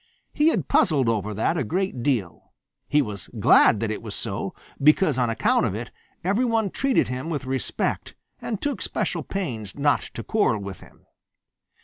He had puzzled over that a great deal. He was glad that it was so, because on account of it every one treated him with respect and took special pains not to quarrel with him.